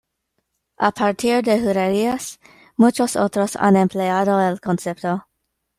A partir de Juderías, muchos otros han empleado el concepto.